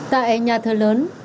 tại nhà thờ lớn